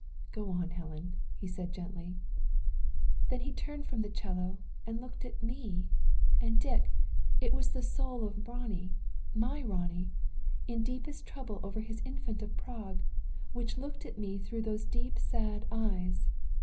"Go on, Helen," he said, gently. "Then he turned from the 'cello, and looked at me; and, Dick, it was the soul of Ronnie my Ronnie in deepest trouble over his Infant of Prague, which looked at me through those deep sad eyes.